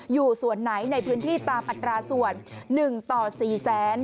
อยู่ส่วนไหนในพื้นที่ตามอัตราส่วน๑ต่อ๔แสน